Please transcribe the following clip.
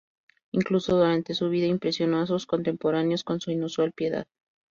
Incluso durante su vida, impresionó a sus contemporáneos con su inusual piedad.